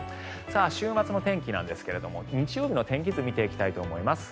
週末の天気なんですが日曜日の天気図を見ていきたいと思います。